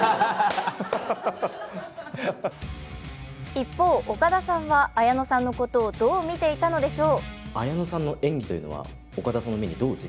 一方、岡田さんは綾野さんのことをどう見ていたのでしょう？